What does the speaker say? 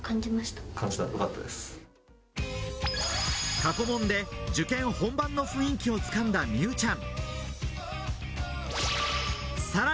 過去問で受験本番の雰囲気を掴んだ美羽ちゃん。